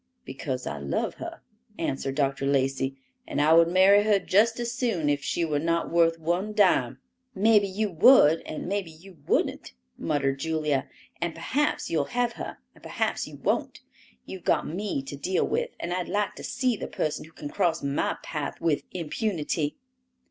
"Because I love her," answered Dr. Lacey, "and I would marry her just as soon if she were not worth one dime." "Maybe you would and maybe you wouldn't," muttered Julia; "and perhaps you'll have her, and perhaps you won't. You've got me to deal with, and I'd like to see the person who can cross my path with impunity."